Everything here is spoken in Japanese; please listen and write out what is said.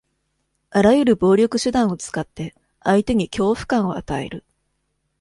あらゆる暴力手段を使って、相手に恐怖感を与える。